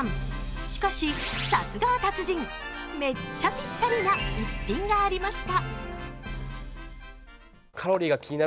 しかしさすがは達人、めっちゃぴったりな一品がありました。